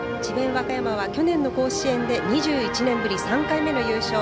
和歌山は去年の甲子園で２１年ぶり３回目の優勝。